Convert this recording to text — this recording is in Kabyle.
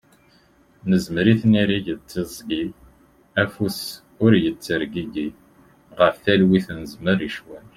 Nezmer i tniri d tiẓgi, afus ur ittergigi, ɣef talwit nezmer i ccwal.